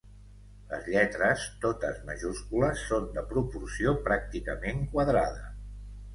Les lletres, totes majúscules, són de proporció pràcticament quadrada.